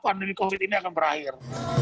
pandemi covid ini akan berakhir